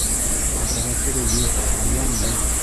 Аппаратура юҡ, баян юҡ!